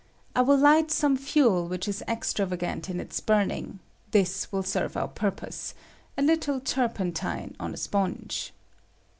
I will light some fuel which is extravagant in its burning : this will serve our purpose — a little turpentine on a sponge.